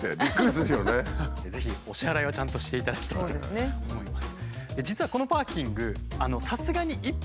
ぜひお支払いはちゃんとしていただきたいと思います。